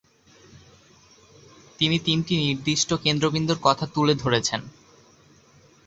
তিনি তিনটি নির্দিষ্ট কেন্দ্রবিন্দুর কথা তুলে ধরেছেন -